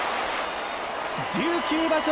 １９場所